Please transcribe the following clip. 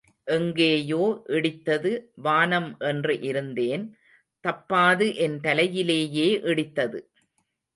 எங்கேயோ இடித்தது வானம் என்று இருந்தேன் தப்பாது என் தலையிலேயே இடித்தது.